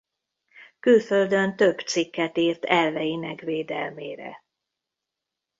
Külföldön több cikket írt elveinek védelmére.